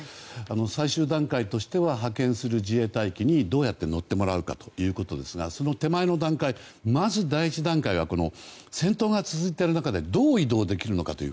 最終段階としては派遣する自衛隊機にどうやって乗ってもらうかということですがその手前の段階、まず第１段階は戦闘が続いている中でどう移動できるのかという。